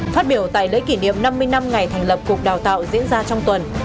phát biểu tại lễ kỷ niệm năm mươi năm ngày thành lập cục đào tạo diễn ra trong tuần